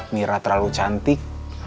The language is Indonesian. mira terlalu cantik